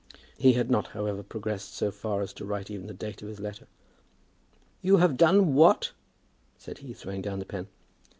He had not, however, progressed so far as to write even the date of his letter. "You have done what?" said he, throwing down the pen.